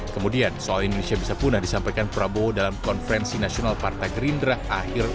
kemudian soal indonesia bisa punah disampaikan prabowo dalam konferensi nasional partai gerindra akhir dua ribu delapan belas lalu